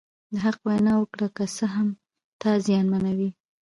د حق وینا وکړه که څه هم تا زیانمنوي.